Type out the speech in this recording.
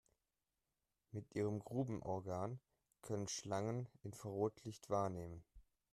Mit ihrem Grubenorgan können Schlangen Infrarotlicht wahrnehmen.